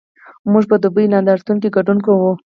موږ په دوبۍ نندارتون کې ګډون کوو؟